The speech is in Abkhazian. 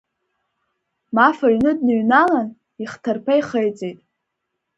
Маф аҩны дныҩналан, ихҭарԥа ихеиҵеит.